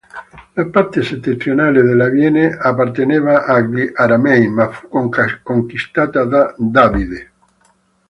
La parte settentrionale dell'Abilene apparteneva agli Aramei, ma fu conquistata da Davide.